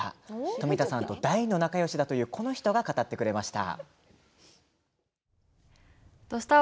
富田さんと大の仲よしだという、この人が語ってくれました。